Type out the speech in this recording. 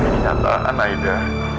ini adalah anaida